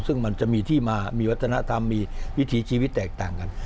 ซึ่งมันจะมีที่มามีวัฒนธรรมมีวิถีชีวิตแตกต่างกัน